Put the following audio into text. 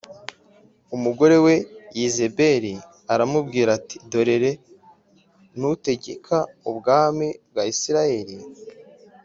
Umugore we Yezebeli aramubwira ati “Dorere, ntutegeka ubwami bwa Isirayeli?